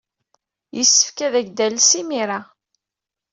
Yessefk ad ak-d-tales imir-a.